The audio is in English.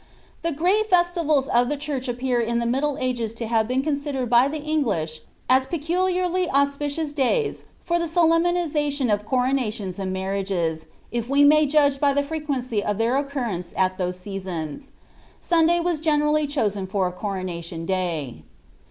* The great festivals of the church appear in the middle agn lo hnve been considered by the English as peculiarly auspicious days for llie solemnization of coronations and marriages, if we may judge l>y the frequency of their occurrence at Uiose seasons. Sunday was generally chosen for n cnronationtlay.